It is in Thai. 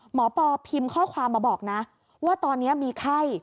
ปอพิมพ์ข้อความมาบอกนะว่าตอนนี้มีไข้